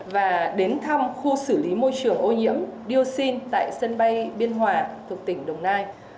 và đến thăm khu xử lý môi trường ô nhiễm dioxin tại sân bay biên hòa thuộc tỉnh đồng nai